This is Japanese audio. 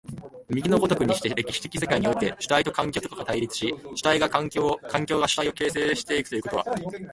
右の如くにして、歴史的世界において、主体と環境とが対立し、主体が環境を、環境が主体を形成し行くということは、